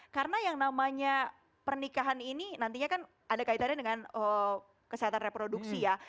karena yang namanya pernikahan ini nantinya kan ada kaitannya dengan kesehatan reproduksi ya